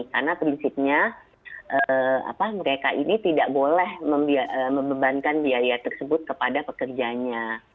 karena prinsipnya mereka ini tidak boleh membebankan biaya tersebut kepada pekerjanya